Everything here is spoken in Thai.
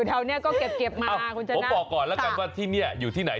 เอ้าผมบอกก่อนแล้วกันว่าที่เนี้ยอยู่ที่ไหน